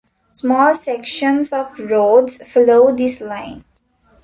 Small sections of roads follow this line.